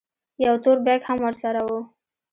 يو تور بېګ هم ورسره و.